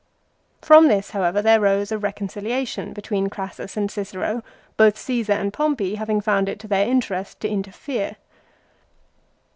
From this, however, there rose a reconciliation between Crassus and Cicero, both Csesar and Pompey haviug found it to their interest to interfere.